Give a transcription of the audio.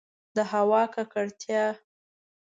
د هوا ککړتیا